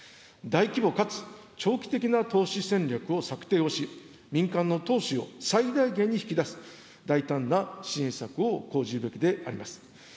大規模かつ長期的な投資戦略を策定をし、民間の投資を最大限に引き出す大胆な支援策を講じるべきであります。